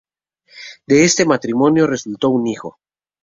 De este matrimonio resultó un hijo.